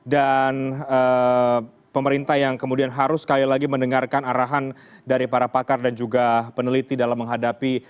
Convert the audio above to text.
pemerintah yang kemudian harus sekali lagi mendengarkan arahan dari para pakar dan juga peneliti dalam menghadapi